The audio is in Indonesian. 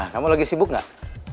kamu lagi sibuk nggak